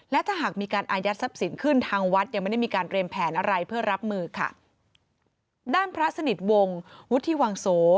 และถ้าหากมีการอายัดทรัพย์สินขึ้นทางวัดยังไม่ได้มีการเตรียมแผนอะไรเพื่อรับมือค่ะด้านพระสนิทวงศ์วุฒิวังโส